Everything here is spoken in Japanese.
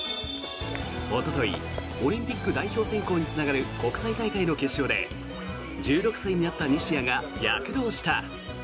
おとといオリンピック代表選考につながる国際大会の決勝で１６歳になった西矢が躍動した。